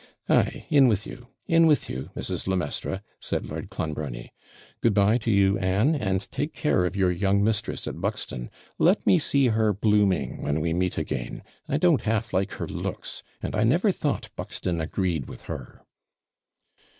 'Ay, in with you in with you, Mrs. le Maistre,' said Lord Clonbrony. 'Good bye to you, Anne, and take care of your young mistress at Buxton; let me see her blooming when we meet again; I don't half like her looks, and I never thought Buxton agreed with her.'